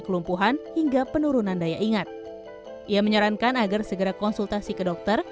kelumpuhan hingga penurunan daya ingat ia menyarankan agar segera konsultasi ke dokter